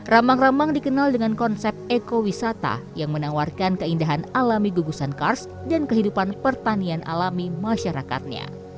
ramang ramang dikenal dengan konsep ekowisata yang menawarkan keindahan alami gugusan kars dan kehidupan pertanian alami masyarakatnya